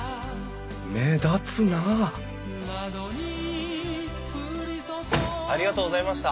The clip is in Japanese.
目立つなありがとうございました。